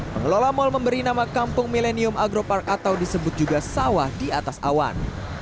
pengelola mal memberi nama kampung milenium agropark atau disebut juga sawah di atas awan